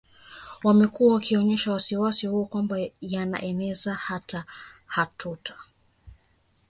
wamekuwa wakionyesha wasiwasi huo kwamba yawezekana wao hawata